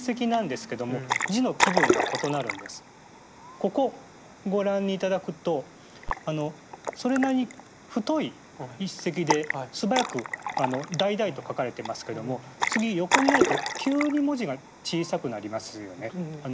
ここご覧頂くとあのそれなりに太い筆跡で素早く大大と書かれてますけども次横になると急に文字が小さくなりますよね。